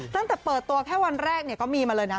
ตั้งแต่เปิดตัวแค่วันแรกก็มีมาเลยนะ